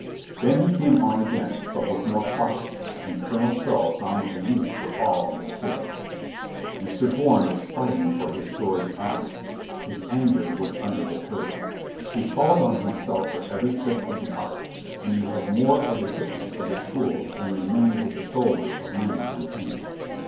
Then he came«on again, but with more caution, and Colonel Stow found a use for all his skill. Mr. Bourne was fighting for his sword's honor. His anger was under the curb. He called on himself for every trick of the art, and he had more of the quickness of the schools than re mained with the soldier of many campaigns.